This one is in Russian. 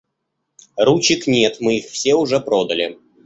Ручек нет, мы их все уже продали.